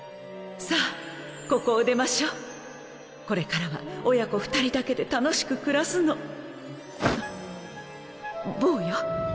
さぁここを出ましょうこれからは親子２人だけで楽しく暮らすの坊や？